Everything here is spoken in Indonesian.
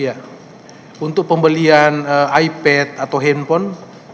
iya untuk pembelian ipad atau handphone